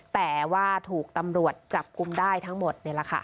แต่ว่าถูกตำรวจจับกลุ่มได้ทั้งหมดนี่แหละค่ะ